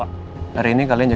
aku mau princi onnya